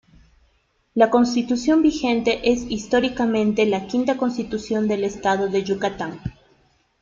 La Constitución vigente es históricamente la quinta Constitución del Estado de Yucatán.